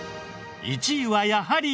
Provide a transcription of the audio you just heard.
１位はやはり。